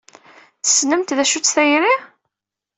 Tessnemt d acu-tt tayri?